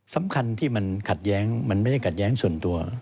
สำคัญที่มันขัดแย้งมันไม่ได้ขัดแย้งส่วนตัว